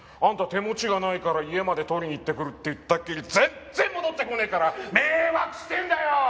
「手持ちがないから家まで取りに行ってくる」って言ったっきり全っ然戻ってこねえから迷惑してんだよっ！！